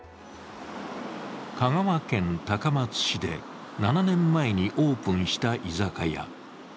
香川県高松市で７年前にオープンした居酒屋。